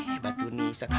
eh batu nisan